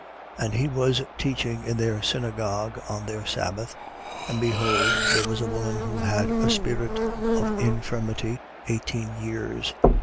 13:10. And he was teaching in their synagogue on their sabbath. 13:11. And behold there was a woman who had a spirit of infirmity eighteen years.